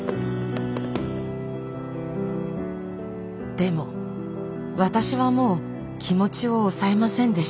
でも私はもう気持ちを抑えませんでした。